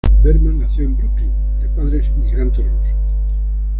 Bergman nació en Brooklyn de padres inmigrantes rusos.